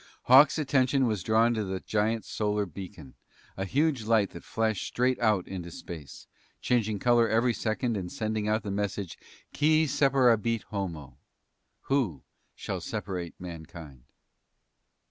Hawks' attention was drawn to the giant solar beacon, a huge light that flashed straight out into space, changing color every second and sending out the message: "Quis separabit homo" Who shall separate mankind?